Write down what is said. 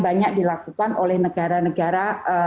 banyak dilakukan oleh negara negara